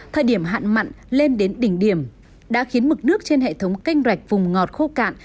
thời điểm hạn mặn lên đến đỉnh điểm đã khiến mực nước trên hệ thống canh rạch vùng ngọt khô cạn